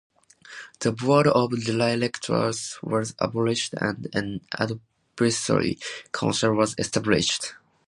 The board of directors was abolished and an advisory council was established.